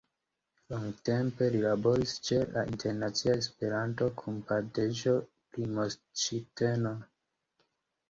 Longtempe li laboris ĉe la Internacia-Esperanto-Kampadejo-Primoŝteno.